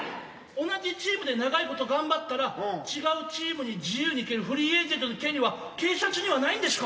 同じチームで長いこと頑張ったら違うチームに自由に行けるフリーエージェントの権利は警察にはないんでしゅか？